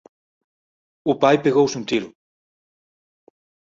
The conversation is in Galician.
O pai pegouse un tiro